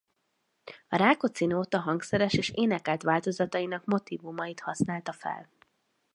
A Rákóczi-nóta hangszeres és énekelt változatainak motívumait használta fel.